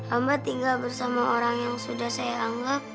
ama tinggal bersama orang yang sudah saya anggap